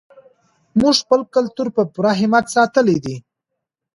موږ خپل کلتور په پوره همت ساتلی دی.